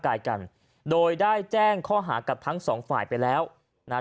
กายกันโดยได้แจ้งข้อหากับทั้งสองฝ่ายไปแล้วนะฮะ